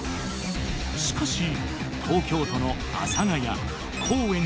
しかし東京都の阿佐ヶ谷高円寺